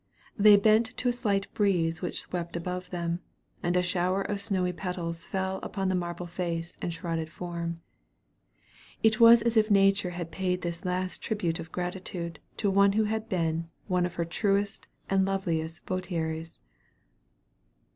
They bent to a slight breeze which swept above them, and a shower of snowy petals fell upon the marble face and shrouded form. It was as if nature had paid this last tribute of gratitude to one who had been one of her truest and loveliest votaries.